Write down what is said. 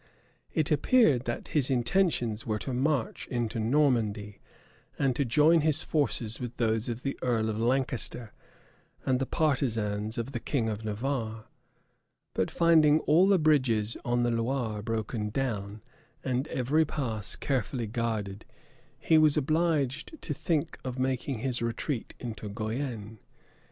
It appeared that his intentions were to march into Normandy, and to join his forces with those of the earl of Lancaster, and the partisans of the king of Navarre; but finding all the bridges on the Loire broken down, and every pass carefully guarded, he was obliged to think of making his retreat into Guienne.